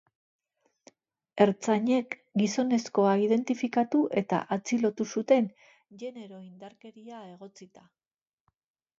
Ertzainek gizonezkoa identifikatu eta atxilotu zuten, genero-indarkeria egotzita.